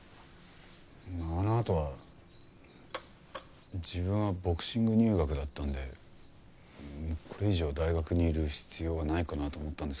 あのあとは自分はボクシング入学だったんでこれ以上大学にいる必要はないかなと思ったんですけど。